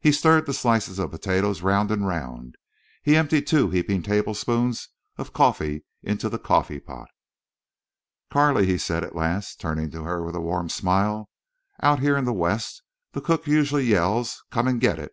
He stirred the slices of potatoes round and round; he emptied two heaping tablespoonfuls of coffee into the coffee pot. "Carley," he said, at last turning to her with a warm smile, "out here in the West the cook usually yells, 'Come and get it.